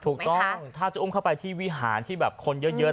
ถูกต้องถ้าจะอุ้มเข้าไปที่วิหารที่แบบคนเยอะ